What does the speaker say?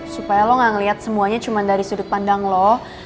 supaya lo gak ngeliat semuanya cuma dari sudut pandang lo